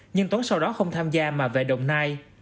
nhưng tuấn sau đó không tham gia mà về đồng nai